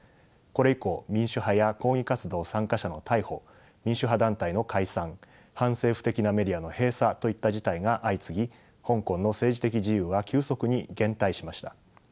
これ以降民主派や抗議活動参加者の逮捕民主派団体の解散反政府的なメディアの閉鎖といった事態が相次ぎ香港の政治的自由は急速に減退しました。